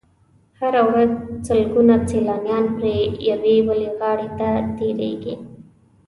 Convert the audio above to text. هره ورځ سلګونه سیلانیان پرې یوې بلې غاړې ته تېرېږي.